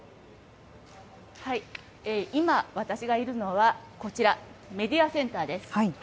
今、私がいるのはこちら、メディアセンターです。